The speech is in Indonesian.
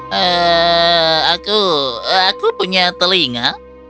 hmmmm aku punya telinga